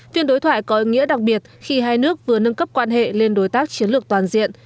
phiên đối thoại có ý nghĩa đặc biệt khi hai nước vừa nâng cấp quan hệ lên đối tác chiến lược toàn diện